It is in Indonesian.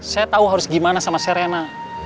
saya tahu harus gimana sama serena